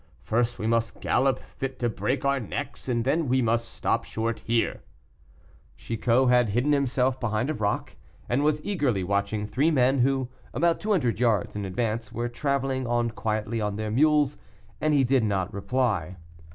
First we must gallop fit to break our necks, and then we must stop short here!" Chicot had hidden himself behind a rock, and was eagerly watching three men who, about two hundred yards in advance, were traveling on quietly on their mules, and he did not reply.